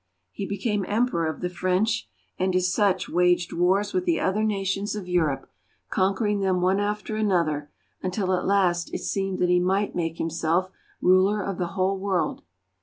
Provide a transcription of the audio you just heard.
He became emperor of the French, and as such waged wars with the other nations of Europe, conquering them one after another, until at last it seemed that he might make himself ruler of the whole world.